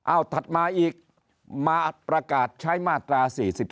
เอาถัดมาอีกมาประกาศใช้มาตรา๔๔